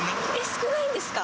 少ないんですか？